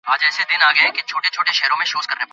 কখনো ভাবিনি এটা আবার হাতে ধরতে পারবো।